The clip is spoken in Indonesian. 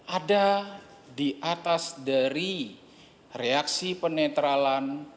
ada di atas dari reaksi penetralan